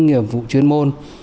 nghiệp vụ chuyên môn